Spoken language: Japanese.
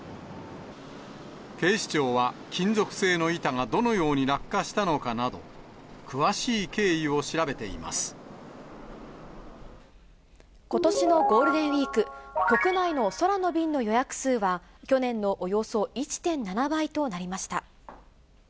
警視庁は金属製の板がどのように落下したのかなど、詳しい経緯をことしのゴールデンウィーク、国内の空の便の予約数は、去年のおよそ１．７倍となりました。